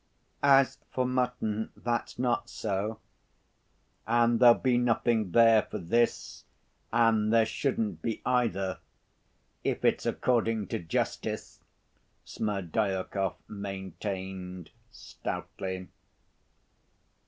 "As for mutton, that's not so, and there'll be nothing there for this, and there shouldn't be either, if it's according to justice," Smerdyakov maintained stoutly.